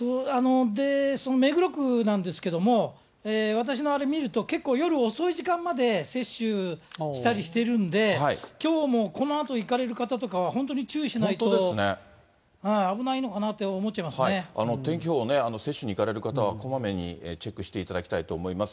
目黒区なんですけども、私のあれ見ると、結構夜遅い時間まで接種したりしてるんで、きょうも、このあと行かれる方とかは、本当に注意しないと、天気予報、接種に行かれる方は、こまめにチェックしていただきたいと思います。